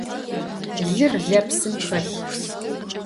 Lır lepsım xelh.